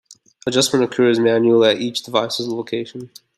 Adjustment occurs manually at each devices location.